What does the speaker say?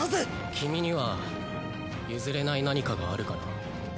君には譲れない何かがあるかな。